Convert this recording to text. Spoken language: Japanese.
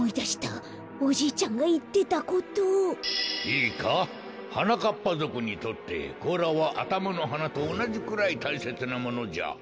いいかはなかっぱぞくにとってこうらはあたまのはなとおなじくらいたいせつなものじゃ。